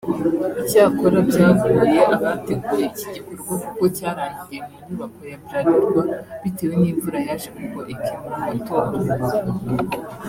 Icyakora byagoye abateguye iki gikorwa kuko cyarangiriye mu nyubako ya Bralirwa bitewe n’imvura yaje kugwa ikimura amatora